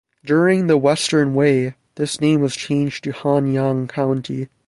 During the Western Wei, this name was changed to Hanyang County.